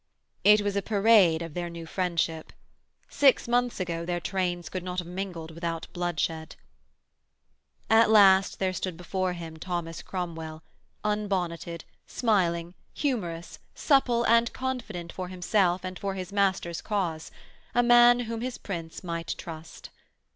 It was a parade of their new friendship. Six months ago their trains could not have mingled without bloodshed. At last there stood before him Thomas Cromwell, un bonneted, smiling, humorous, supple and confident for himself and for his master's cause, a man whom his Prince might trust.